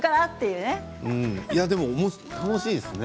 でも楽しいですね。